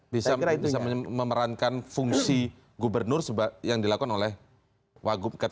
bisa memerankan fungsi gubernur yang dilakukan oleh wagub